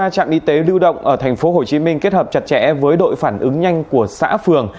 bốn trăm linh ba trạm y tế lưu động ở thành phố hồ chí minh kết hợp chặt chẽ với đội phản ứng nhanh của xã phường